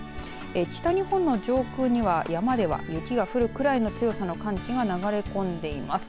北日本の上空には、山では雪が降るぐらいの強さの寒気が流れ込んでいます。